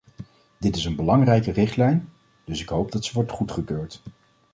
Dit is een belangrijke richtlijn, dus ik hoop dat ze wordt goedgekeurd.